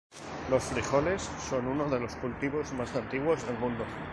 Los frijoles son uno de los cultivos más antiguos del mundo.